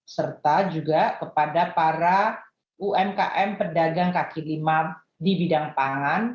serta juga kepada para umkm pedagang kaki lima di bidang pangan